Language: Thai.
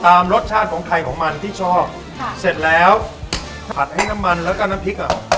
รสชาติของไข่ของมันที่ชอบค่ะเสร็จแล้วผัดให้น้ำมันแล้วก็น้ำพริกอ่ะ